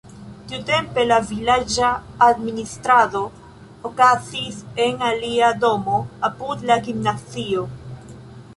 Tiutempe la vilaĝa administrado okazis en alia domo apud la gimnazio.